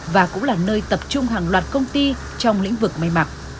và cũng là nơi tập trung hàng loạt công ty trong lĩnh vực mây mặt